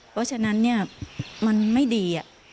เพราะฉะนั้นมันไม่ดี